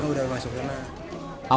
sudah masuk tanah